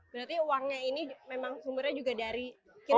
berarti uangnya ini memang sumbernya juga dari kita